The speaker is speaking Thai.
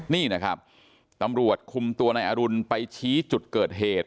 นี่นะครับตำรวจคุมตัวนายอรุณไปชี้จุดเกิดเหตุ